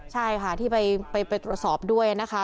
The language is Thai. ใช่ค่ะที่ไปตรวจสอบด้วยนะคะ